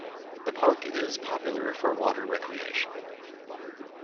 The park is popular for water recreation.